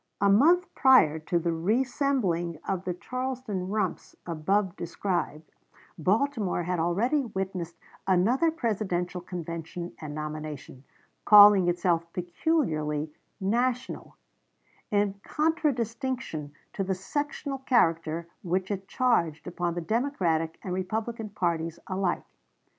A month prior to the reassembling of the Charleston "Rumps" above described, Baltimore had already witnessed another Presidential convention and nomination, calling itself peculiarly "National," in contradistinction to the "sectional" character which it charged upon the Democratic and Republican parties alike.